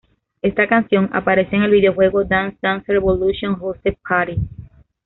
Esta canción aparece en el videojuego Dance Dance Revolution Hottest Party.